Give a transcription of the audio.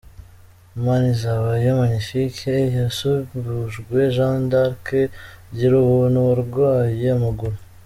Manizabayo Magnifique yasimbujwe Jean d’Arc Girubuntu warwaye amaguru